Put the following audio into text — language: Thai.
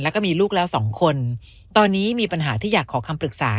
แล้วก็มีลูกแล้วสองคนตอนนี้มีปัญหาที่อยากขอคำปรึกษา